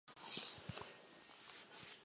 棚仓町是位于福岛县东白川郡的一町。